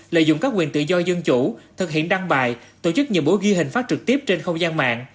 lợi dụng các quyền tự do dân chủ thực hiện đăng bài tổ chức nhiều bố ghi hình phát trực tiếp trên không gian mạng